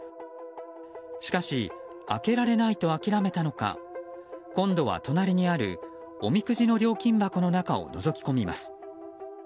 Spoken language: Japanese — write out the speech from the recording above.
しかし開けられないと諦めたのか今度は隣にあるおみくじの料金箱の中をのぞき込みます。